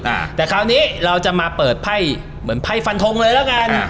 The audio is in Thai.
อ่าแต่คราวนี้เราจะมาเปิดไพ่เหมือนไพ่ฟันทงเลยแล้วกันอ่า